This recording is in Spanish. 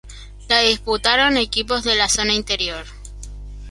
La disputaron equipos de la Zona Interior.